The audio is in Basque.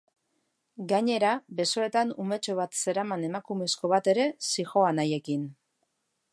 Gainera, besoetan umetxo bat zeraman emakumezko bat ere zihoan haiekin.